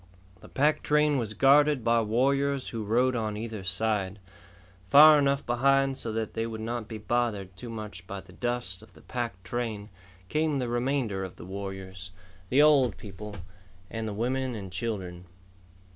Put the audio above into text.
The pack train was guarded by warriors who rode on either side. Far enough behind so that they would not be bothered too much by the dust of the pack train, came the remainder of the warriors, the old people, and the women and children.